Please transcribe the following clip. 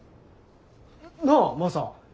なあマサ。